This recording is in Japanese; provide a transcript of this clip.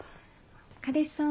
彼氏さん